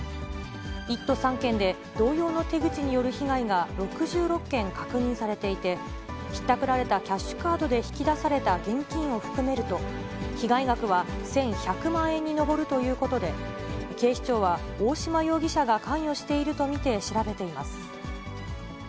１都３県で同様の手口による被害が６６件確認されていて、ひったくられたキャッシュカードで引き出された現金を含めると、被害額は１１００万円に上るということで、警視庁は大島容疑者が関与していると見て調べています。